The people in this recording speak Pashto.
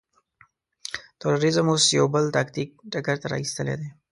تروريزم اوس يو بل تاکتيک ډګر ته را اېستلی دی.